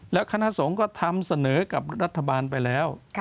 แล้วคณะสงฆ์ก็ทำเสนอกับรัฐบาลไปแล้ว